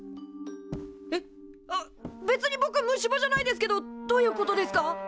えっ別にぼく虫歯じゃないですけどどういうことですか？